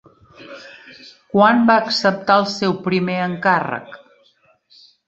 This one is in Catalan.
Quan va acceptar el seu primer encàrrec?